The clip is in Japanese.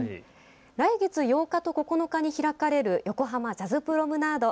来月８日と９日に開かれる横濱ジャズプロムナード。